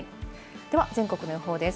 では全国の予報です。